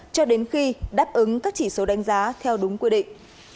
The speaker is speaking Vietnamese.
cho đến khi đáp ứng các chỉ số đánh giá theo đúng quy định